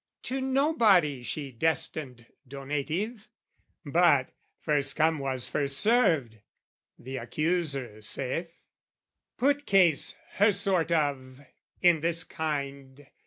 To nobody she destined donative, But, first come was first served, the accuser saith Put case her sort of...in this kind...